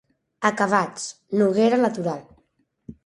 Acabats: noguera natural.